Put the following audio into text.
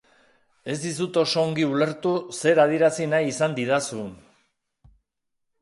Ez dizut oso ongi ulertu zer adierazi nahi izan didazun...